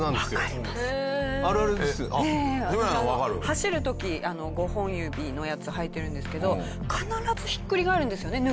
走る時５本指のやつはいてるんですけど必ずひっくり返るんですよね